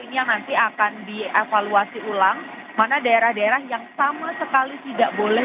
ini yang nanti akan dievaluasi ulang mana daerah daerah yang sama sekali tidak boleh